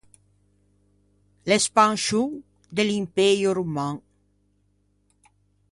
L’espanscion de l’Impëio roman.